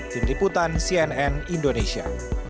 tim liputan cnn indonesia